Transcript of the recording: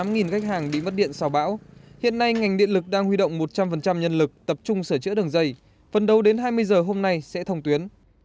gần tám khách hàng bị mất điện sau bão hiện nay ngành điện lực đang huy động một trăm linh nhân lực tập trung sửa chữa đường dây phần đầu đến hai mươi giờ hôm nay sẽ thông tuyến